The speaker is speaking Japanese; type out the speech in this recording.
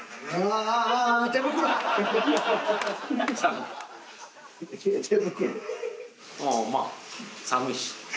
ああまあ寒いし。